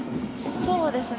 そうですね。